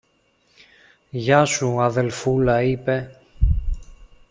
Γεια σου, αδελφούλα, είπε.